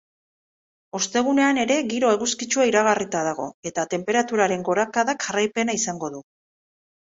Ostegunean ere giro eguzkitsua iragarrita dago, eta tenperaturaren gorakadak jarraipena izango du.